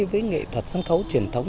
với nghệ thuật sân khấu truyền thống